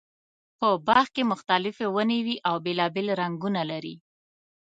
په باغ کې مختلفې ونې وي او بېلابېل رنګونه لري.